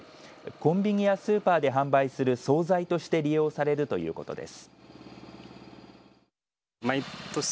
コンビニやスーパーで販売する総菜として利用されるということです。